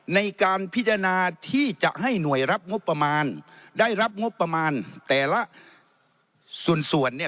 ในการพิจารณาที่จะให้หน่วยรับงบประมาณได้รับงบประมาณแต่ละส่วน